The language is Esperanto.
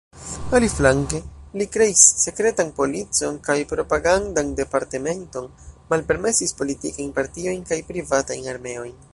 Aliflanke, li kreis sekretan policon kaj propagandan departementon, malpermesis politikajn partiojn kaj privatajn armeojn.